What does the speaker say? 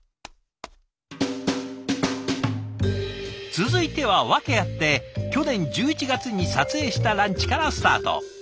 続いては訳あって去年１１月に撮影したランチからスタート。